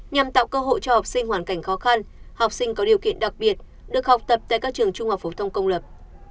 nhằm tạo cơ hội cho học sinh hoàn cảnh khó khăn học sinh có điều kiện đặc biệt được học tập tại các trường trung học phổ thông công lập